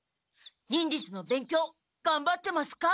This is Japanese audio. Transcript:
「忍術の勉強がんばってますか？」